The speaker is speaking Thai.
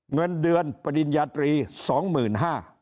เงินเดือนปฎิญญาตรี๒หมื่น๕